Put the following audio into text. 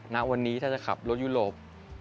ณวันนี้ถ้าจะขับรถยุโรป